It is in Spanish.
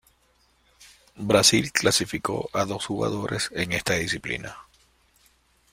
Brazil clasificó a dos jugadores en esta disciplina.